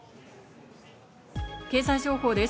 経済情報です。